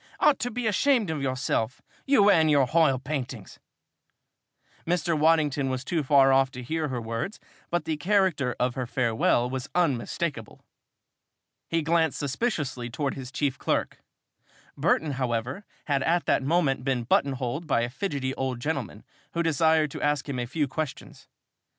"Ought to be ashamed of yourself! You and your h'oil paintings!" Mr. Waddington was too far off to hear her words but the character of her farewell was unmistakable! He glanced suspiciously towards his chief clerk. Burton, however, had at that moment been button holed by a fidgety old gentleman who desired to ask him a few questions.